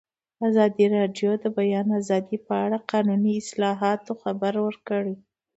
ازادي راډیو د د بیان آزادي په اړه د قانوني اصلاحاتو خبر ورکړی.